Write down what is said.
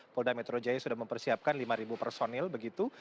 polda metro jaya sudah mempersiapkan lima personil begitu